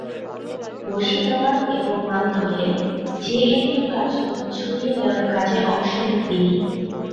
মুর্শিদাবাদ এবং মালদহে জেএমবির কার্যক্রম ছড়িয়ে দেওয়ার কাজে অংশ নেন তিনি।